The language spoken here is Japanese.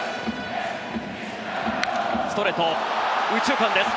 ストレート右中間です。